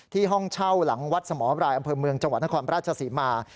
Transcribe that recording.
ห้องเช่าหลังวัดสมรายอำเภอเมืองจังหวัดนครราชศรีมา